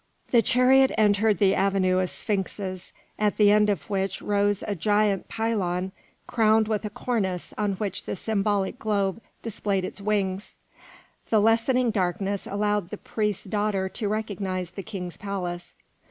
The chariot entered the avenue of sphinxes, at the end of which rose a giant pylon crowned with a cornice on which the symbolic globe displayed its wings; the lessening darkness allowed the priest's daughter to recognise the King's palace.